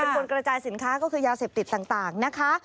คนกระจายสินค้าก็คือยาเสพติดต่างนะคะ